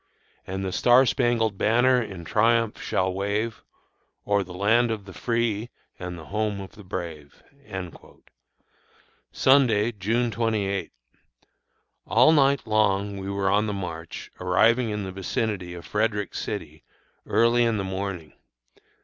And the star spangled banner in triumph shall wave O'er the land of the free and the home of the brave." Sunday, June 28. All night long we were on the march, arriving in the vicinity of Frederick City early in the morning.